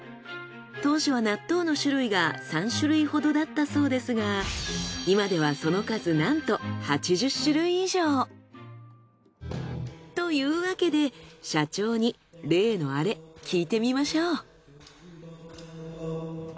当初は納豆の種類が３種類ほどだったそうですが今ではその数なんとというわけで社長に例のアレ聞いてみましょう。